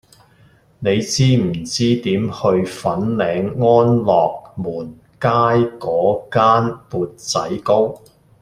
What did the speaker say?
你知唔知點去粉嶺安樂門街嗰間缽仔糕